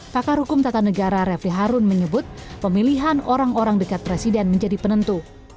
pakar hukum tata negara refli harun menyebut pemilihan orang orang dekat presiden menjadi penentu